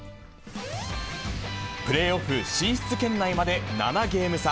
プレーオフ進出圏内まで７ゲーム差。